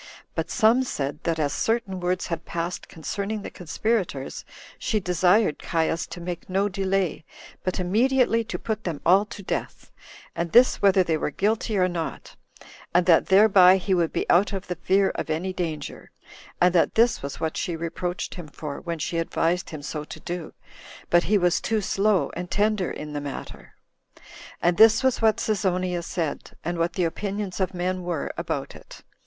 But some said, that as certain words had passed concerning the conspirators, she desired Caius to make no delay, but immediately to put them all to death, and this whether they were guilty or not, and that thereby he would be out of the fear of any danger; and that this was what she reproached him for, when she advised him so to do, but he was too slow and tender in the matter. And this was what Cesonia said, and what the opinions of men were about it.